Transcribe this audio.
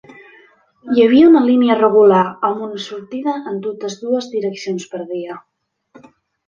Hi havia una línia regular, amb una sortida en totes dues direccions per dia.